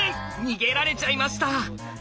逃げられちゃいました。